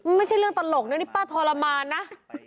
ไม่ใช่เรื่องตลกนะนี่ป้าทรมานนะ